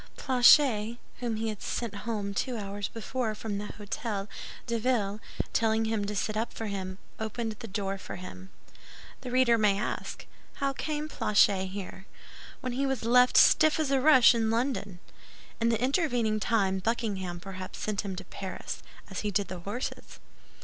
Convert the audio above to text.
Planchet*, whom he had sent home two hours before from the Hôtel de Ville, telling him to sit up for him, opened the door for him. * The reader may ask, "How came Planchet here?" when he was left "stiff as a rush" in London. In the intervening time Buckingham perhaps sent him to Paris, as he did the horses.